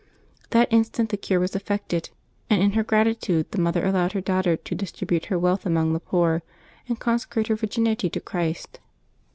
That instant the cure was affected; and in her gratitude the mother allowed her daughter to distribute her wealth among the poor, and consecrate her virginity to Christ.